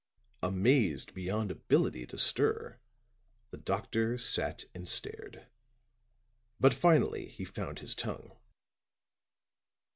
Amazed beyond ability to stir, the doctor sat and stared. But finally he found his tongue.